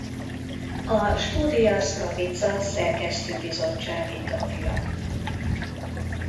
A Studia Slavica szerkesztőbizottsági tagja.